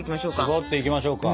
しぼっていきましょうか。